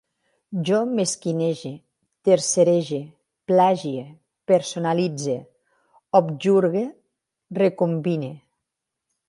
Jo mesquinege, tercerege, plagie, personalitze, objurgue, recombine